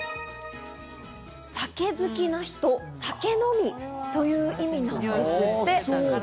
酒好きな人、酒飲みという意味なんですって。